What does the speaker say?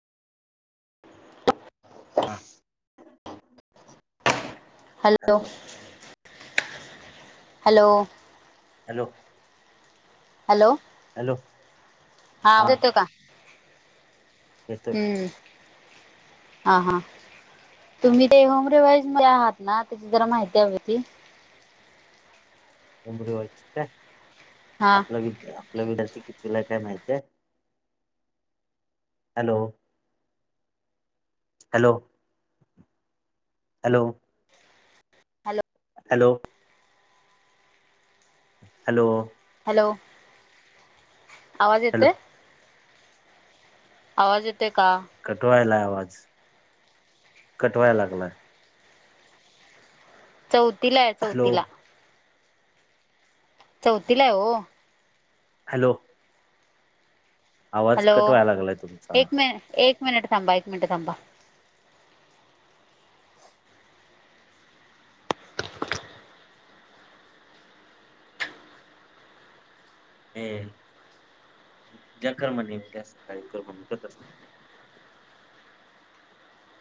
हां hello hello hello hello hello हा येतोय का येतोय हम्म हा हा तुम्ही ते होम रिवाईज मध्ये आहात ना त्याची जरा माहिती हवी होती होम रिवाज ची काय हा आपल्या विद्या आपला विद्यार्थी कितविला आहे काय माहती hi hello hello hello hello hello hello hello आवाज हॅलो येतोय आवाज येतय का कठवायलाय आवाज कठवाय लागलाय चौथीला आहे हॅलो चौथीला चौथीला हाय ओ हॅलो आवाज हॅलो कटवायला लागलाय तुमचा एक मि एक मिनिट थांबा एक मिनिट थांबा ए उद्या कर म्हणे उद्या सकाळी कर म्हणे